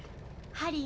ハリー